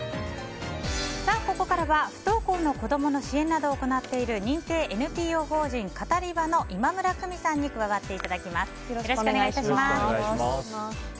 ここからは不登校の子供の支援などを行っている認定ＮＰＯ法人カタリバの今村久美さんに加わっていただきます。